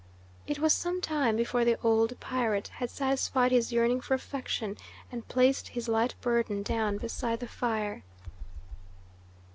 It was some time before the old pirate had satisfied his yearning for affection and placed his light burden down beside the fire.